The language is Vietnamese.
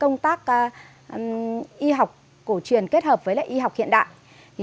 công tác y học cổ truyền kết hợp với y học hiện đại